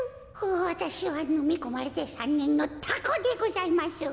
わたしはのみこまれて３ねんのタコでございます。